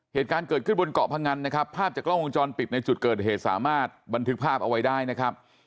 เหตุการณ์เกิดขึ้นบนเกาะพงันนะครับภาพจากกล้องวงจรปิดในจุดเกิดเหตุสามารถบันทึกภาพเอาไว้ได้นะครับ